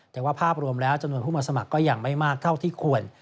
แต่ว่าภาพรวมแล้วจำนวนผู้มาสมัครก็ยังไม่มากเท่าที่ควร